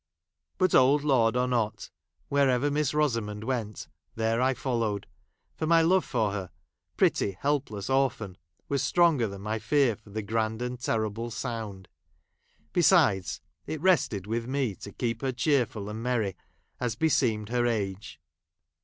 But, old lord, or not, ii wherever Miss Rosamond went, there I j followed ; for my love for her, pretty help j i less orphan, was stronger than my fear for | the grand and terrible sound. Besides, it rested with me to keep her cheerful and mex'ry, as beseemed her age.